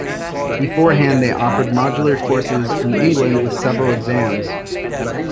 Beforehand, they offered modular courses in England with several exams.